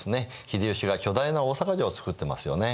秀吉が巨大な大坂城を造ってますよね。